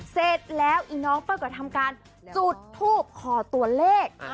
เสร็จแล้วอีน้องเปิ้ลก็ทำการจุดทูบขอตัวเลข